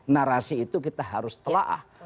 narasi itu kita harus telah